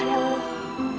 utang budi padamu